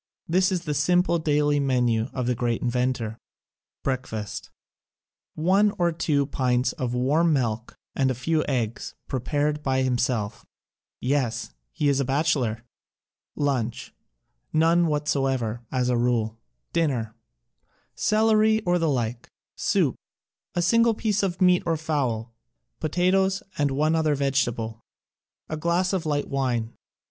This is the simple daily menu of the great inventor: Breakfast: One to two pints of warm milk and a few eggs, prepared by himself — yes, he is a bachelor! Lunch: None whatsoever, as a rule. Dinner: Celeiy or the like, soup, a single piece of meat or fowl, potatoes and one other vegetable; a glass of light wine.